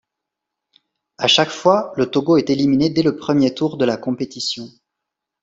À chaque fois, le Togo est éliminé dès le premier tour de la compétition.